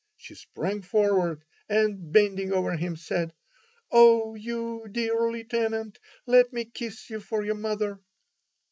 She sprang forward and, bending over him, said: "Oh, you dear Lieutenant, let me kiss you for your mother."